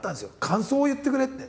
感想を言ってくれって。